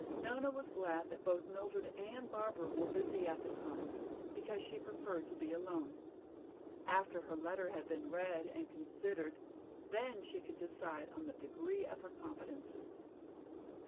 Nona was glad that both Mildred and Barbara were busy at the time, because she preferred to be alone. After her letter had been read and considered then she could decide on the degree of her confidences.